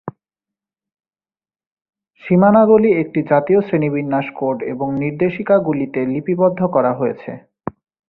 সীমানাগুলি একটি জাতীয় শ্রেণীবিন্যাস কোড এবং নির্দেশিকাগুলিতে লিপিবদ্ধ করা হয়েছে।